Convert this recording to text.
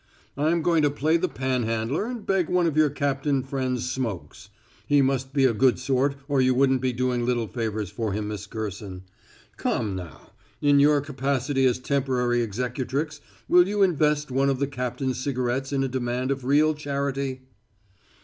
I'm going to play the panhandler and beg one of your captain friend's smokes. He must be a good sort or you wouldn't be doing little favors for him, Miss Gerson. Come, now; in your capacity as temporary executrix will you invest one of the captain's cigarettes in a demand of real charity?"